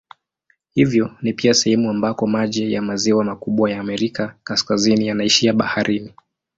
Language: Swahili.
Hivyo ni pia sehemu ambako maji ya maziwa makubwa ya Amerika Kaskazini yanaishia baharini.